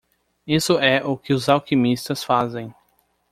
Isso é o que os alquimistas fazem.